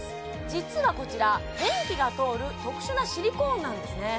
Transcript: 実はこちら電気が通る特殊なシリコーンなんですね